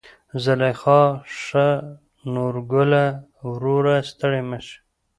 زليخا: ښا نورګله وروره ستړى مشې.